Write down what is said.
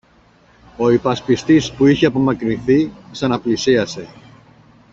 Ο υπασπιστής, που είχε απομακρυνθεί, ξαναπλησίασε.